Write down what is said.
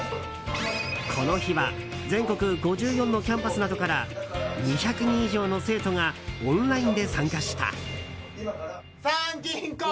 この日は、全国５４のキャンパスなどから２００人以上の生徒がオンラインで参加した。